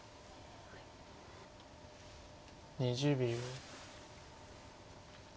２０秒。